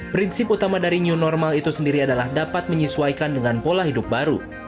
prinsip utama dari new normal itu sendiri adalah dapat menyesuaikan dengan pola hidup baru